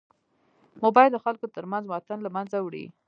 موبایل د خلکو تر منځ واټن له منځه وړي.